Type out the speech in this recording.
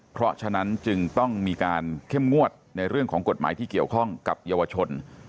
เพราะฉะนั้นจึงต้องมีการเข้มงวดในเรื่องของกฎหมายที่เกี่ยวข้องกับเยาวชน